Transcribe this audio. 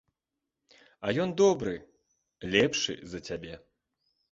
А ён добры, лепшы за цябе.